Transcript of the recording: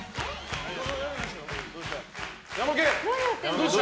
どうした？